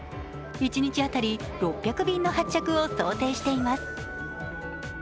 一日当たり６００便の発着を想定しています。